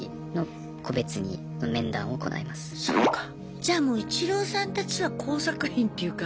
じゃあもうイチローさんたちは工作員っていうか。